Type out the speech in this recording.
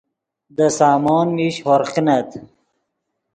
دے سامون میش ہورغ کینت